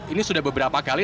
ini sudah beberapa kali